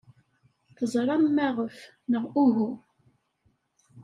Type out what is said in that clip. Teẓram maɣef, neɣ uhu?